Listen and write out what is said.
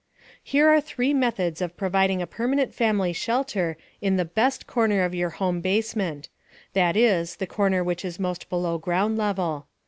Here are three methods of providing a permanent family shelter in the "best" corner of your home basement that is, the corner which is most below ground level.